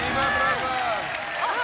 ・あっ